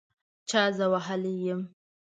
چا زه وهلي یم